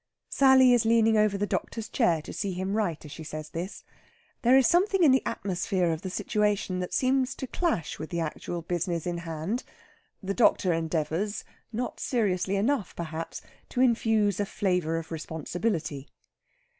Sally is leaning over the doctor's chair to see him write as she says this. There is something in the atmosphere of the situation that seems to clash with the actual business in hand. The doctor endeavours, not seriously enough, perhaps, to infuse a flavour of responsibility.